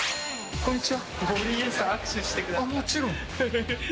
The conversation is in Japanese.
こんにちは。